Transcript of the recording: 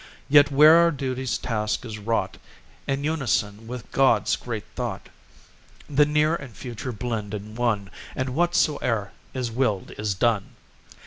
Yet where our duty's task is wrought In unison with God's great thought, The near and future blend in one, And whatsoe'er is willed, is done!